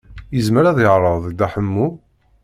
Yezmer ad yeɛreḍ Dda Ḥemmu?